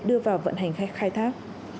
đưa vào vận hành khai thác